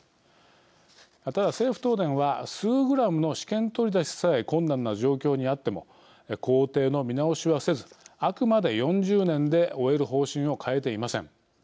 ただ、政府・東電は数グラムの試験取り出しさえ困難な状況にあっても工程の見直しはせずあくまで４０年で終える方針を変えていません。